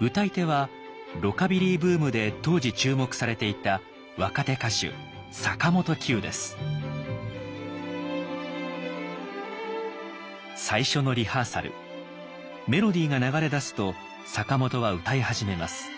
歌い手はロカビリーブームで当時注目されていた若手歌手最初のリハーサルメロディーが流れ出すと坂本は歌い始めます。